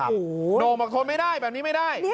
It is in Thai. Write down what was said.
โหน่งมาทนไม่ได้แบบนี้ไม่ได้